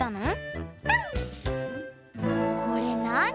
これなに？